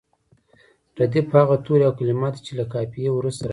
ردیف هغه توري او کلمات دي چې له قافیې وروسته راځي.